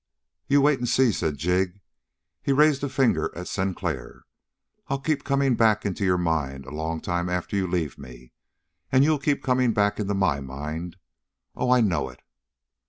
"You wait and see," said Jig. He raised a finger at Sinclair. "I'll keep coming back into your mind a long time after you leave me; and you'll keep coming back into my mind. Oh, I know it!"